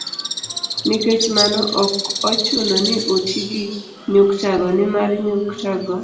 Nikech mano, ok ochuno ni oti gi nyuktago, nimar nyuktago biro konyo